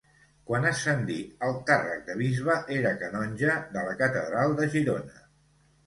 Quan ascendí al càrrec de bisbe era canonge de la catedral de Girona.